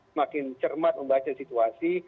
semakin cermat membahas situasi